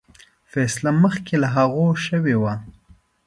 فیصله مخکي له هغه شوې وه.